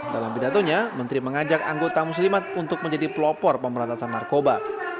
dalam pidatonya menteri mengajak anggota muslimat untuk menjadi pelopor pemberantasan narkoba